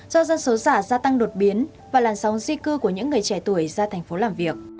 do dân số giả gia tăng đột biến và làn sóng di cư của những người trẻ tuổi ra thành phố làm việc